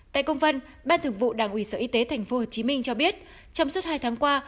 tại công văn ban thường vụ đảng ủy sở y tế tp hcm cho biết trong suốt hai tháng qua